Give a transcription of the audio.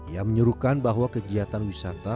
ia menyerukan bahwa kegiatan wisata